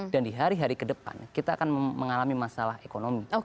dan di hari hari kedepan kita akan mengalami masalah ekonomi